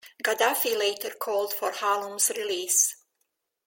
Gaddafi later called for Hallum's release.